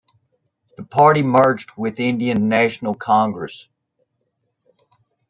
The party merged with Indian National Congress.